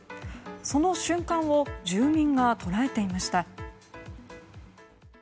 その瞬間を住民が捉えていました。